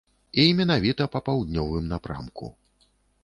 І менавіта па паўднёвым напрамку.